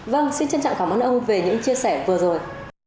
vâng xin trân trọng cảm ơn ông về những chia sẻ vừa rồi